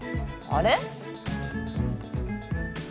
あれ？